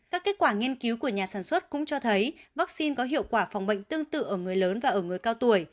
các kết quả nghiên cứu của nhà sản xuất cũng cho thấy vaccine có hiệu quả phòng bệnh tương tự ở người lớn và ở người cao tuổi